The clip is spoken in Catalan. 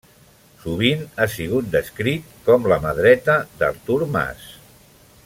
Sovint ha sigut descrit com la mà dreta d'Artur Mas.